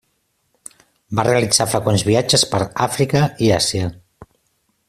Va realitzar freqüents viatges per Àfrica i Àsia.